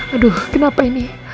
aduh kenapa ini